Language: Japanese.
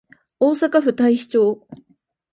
大阪府太子町